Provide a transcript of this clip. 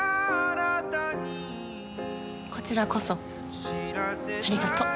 こちらこそありがとう。